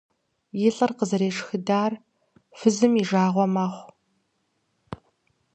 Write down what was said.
И лӏыр къызэрешхыдар фызым и жагъуэ мэхъу.